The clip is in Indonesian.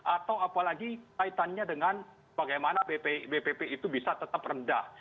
atau apalagi kaitannya dengan bagaimana bpp itu bisa tetap rendah